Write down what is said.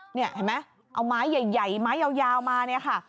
นี่เห็นไหมเอาไม้ใหญ่ไม้ยาวมาเนี่ยค่ะ